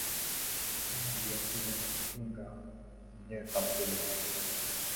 Pia aliigiza na kutunga mwenyewe tamthilia.